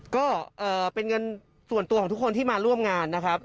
ก็เป็นเงินส่วนตัวของทุกคนที่มาร่วมงานนะครับ